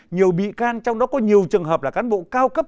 nhiều bị can trong đó có nhiều trường hợp là cán bộ cao cấp